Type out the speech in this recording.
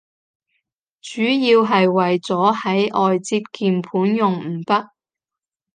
主要係為咗喺外接鍵盤用五筆